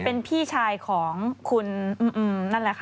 เป็นพี่ชายของคุณนั่นแหละค่ะ